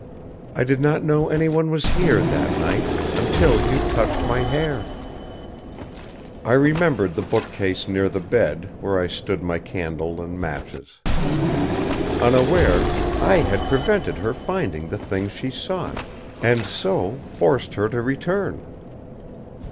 I did not know anyone was here, that night, until you touched my hair." I remembered the bookcase near the bed, where I stood my candle and matches. Unaware, I had prevented her finding the thing she sought, and so forced her to return.